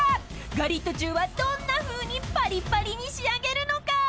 ［ガリットチュウはどんなふうにパリパリに仕上げるのか］